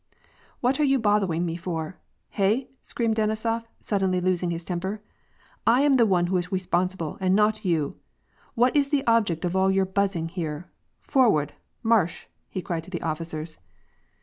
" What are you bothewing me for ! Hey ?" screamed Deni sof, suddenly losing his temper. " I am the one who is we sponsible, and not you. What is the object of allyour buzzing here ? Forward !— Marsch !" he cried to the officers.